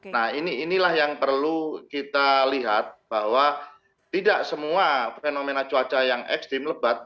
nah inilah yang perlu kita lihat bahwa tidak semua fenomena cuaca yang ekstrim lebat